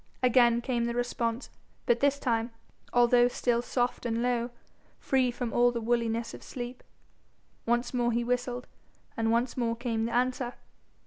Again came the response, but this time, although still soft and low, free from all the woolliness of sleep. Once more he whistled, and once more came the answer.